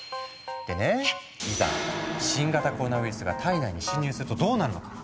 でねいざ新型コロナウイルスが体内に侵入するとどうなるのか。